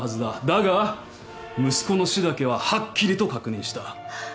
だが息子の死だけははっきりと確認した。